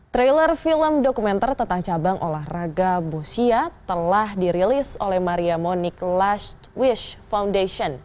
trailer film dokumenter tentang cabang olahraga bosia telah dirilis oleh maria monic last wish foundation